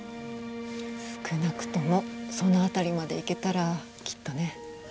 少なくともその辺りまで行けたらきっとね。